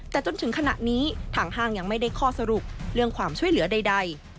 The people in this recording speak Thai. แต่จนถึงขณะนี้ทางห้างยังไม่ได้ข้อสรุปเรื่องความช่วยเหลือใด